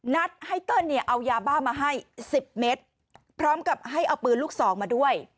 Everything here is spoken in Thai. นัดให้เติ้ลเนี่ยเอายาบ้ามาให้๑๐เมตรพร้อมกับให้เอาปืนลูกสองมาด้วย